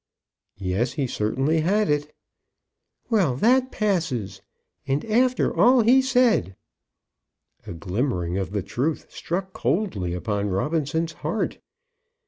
"Yes; he certainly had it." "Well, that passes. And after all he said!" A glimmering of the truth struck coldly upon Robinson's heart.